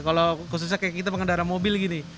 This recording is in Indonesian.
kalau khususnya kayak kita pengendara mobil gini